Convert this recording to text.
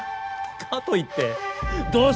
かといってどうする？